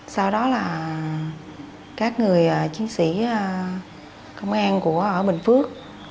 sau đó là các người chiến sĩ công an của bình phước